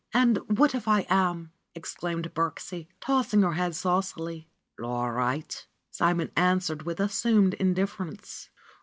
^^And what if I am?" exclaimed Birksie, tossing her head saucily. ^^All right," Simon answered with assumed indiffer ence.